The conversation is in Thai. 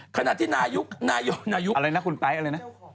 ขณะที่นายกนายกอะไรนะคุณไป๊อะไรนะ